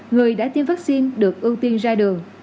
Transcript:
người đã tiêm vaccine được ưu tiên ra đường